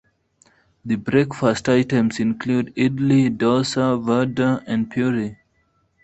The breakfast items include Idli, Dosa, Vada, and Puri.